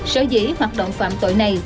sở dĩ hoạt động phạm tội này